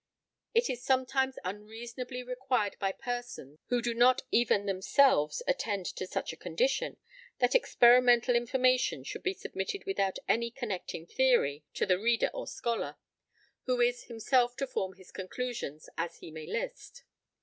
It is sometimes unreasonably required by persons who do not even themselves attend to such a condition, that experimental information should be submitted without any connecting theory to the reader or scholar, who is himself to form his conclusions as he may list.